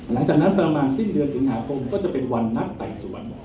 หลังจากนั้นประมาณสิ้นเดือนสิงหาคมก็จะเป็นวันนัดไต่สวน